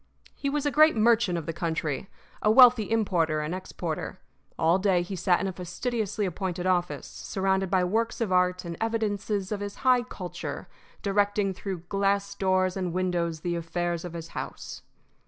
He was a great merchant of the country, a wealthy importer and exporter. All day he sat in a fastidiously appointed office, surrounded by works of art and evidences of his high culture, directing through glass doors and windows the affairs of his house.